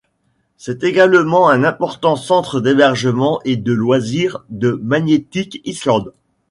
C'est également un important centre d'hébergement et de loisirs de Magnetic Island.